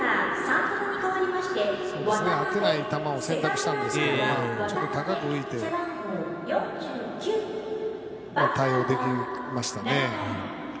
あっていない球を選択したんですがちょっと高く浮いて対応できましたね。